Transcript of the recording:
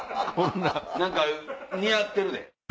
何か似合ってるで。